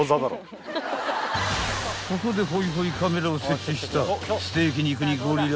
［ここでホイホイカメラを設置した］